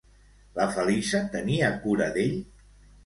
La Feliça tenia cura d'ell?